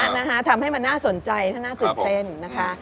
นะคะทำให้มันน่าสนใจถ้าน่าตื่นเต้นนะคะ